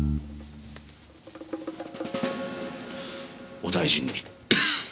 お大事に。